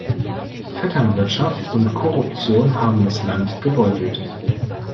Vetternwirtschaft und Korruption haben das Land gebeutelt.